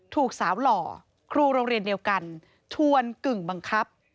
ถูกสาวหล่อครูโรงเรียนเดียวกันชวนกึ่งบังคับ